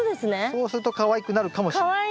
そうするとかわいくなるかもしれない。